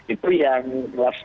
itu yang kelas